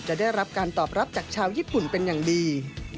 ได้รับการตอบรับจากชาวญี่ปุ่นเป็นอย่างดี